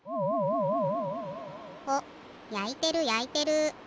やいてるやいてる。